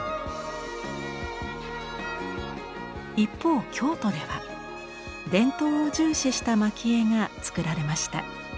一方京都では伝統を重視した蒔絵が作られました。